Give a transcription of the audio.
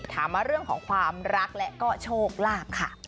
ถามมาเรื่องของความรักและก็โชคลาภค่ะ